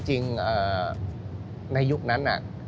จริงในยุคนั้น